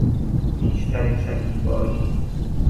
بیشترین شکیبایی